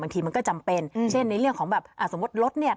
ทีมันก็จำเป็นเช่นในเรื่องของแบบสมมุติรถเนี่ย